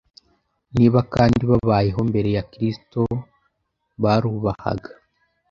Niba kandi babayeho mbere ya Kristo barubahaga